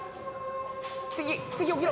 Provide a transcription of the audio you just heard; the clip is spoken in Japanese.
奇跡奇跡起きろ